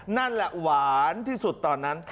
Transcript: นั่นแหละหวานที่สุดตอนนั้น